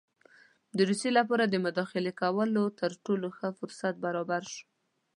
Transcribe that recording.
د روسیې لپاره د مداخلې کولو تر ټولو ښه فرصت برابر شو.